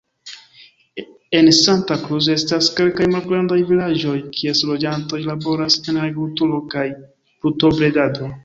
En Santa Cruz estas kelkaj malgrandaj vilaĝoj, kies loĝantoj laboras en agrikulturo kaj brutobredado.